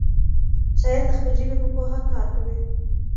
شاعر د خپلې ژبې په پوهه کار کوي.